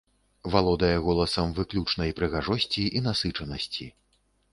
Валодае голасам выключнай прыгажосці і насычанасці.